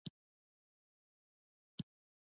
ایا مصنوعي ځیرکتیا د انساني درد احساس نه کوي؟